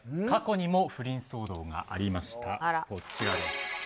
過去にも不倫騒動がありました。